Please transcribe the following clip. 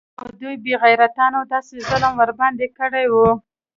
خو دې بې غيرتانو داسې ظلم ورباندې کړى و.